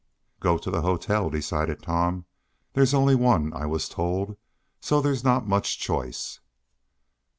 "Go to the hotel," decided Tom. "There's only one, I was told, so there's not much choice."